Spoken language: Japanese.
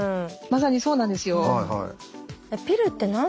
まさにそうなんですよ。